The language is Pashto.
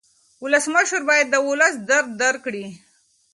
ولسمشر باید د ولس درد درک کړي.